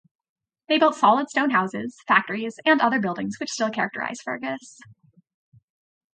They built solid stone houses, factories and other buildings which still characterize Fergus.